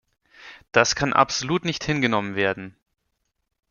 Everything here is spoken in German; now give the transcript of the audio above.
Das kann absolut nicht hingenommen werden!